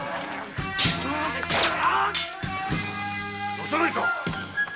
よさないか！